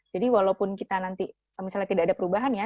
jadi walaupun kita nanti misalnya tidak ada perubahan ya